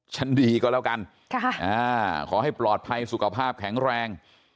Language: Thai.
ชั้นดีก็แล้วกันขอให้ปลอดภัยสุขภาพแข็งแรง